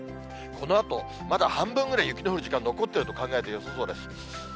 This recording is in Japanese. このあとまだ半分ぐらい雪の降る時間残っていると考えてよさそうです。